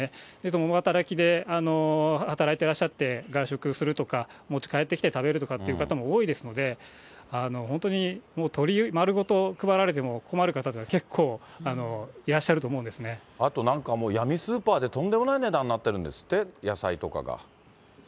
共働きで働いてらっしゃって、外食するとか、持ち帰ってきて食べるとかって方も多いですので、本当にもう、鶏丸ごと配られても困る方が、あとなんかもう、闇スーパーでとんでもない値段になってるんですって？